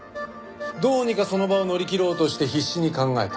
どうにかその場を乗り切ろうとして必死に考えた。